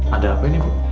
ada apa ini bu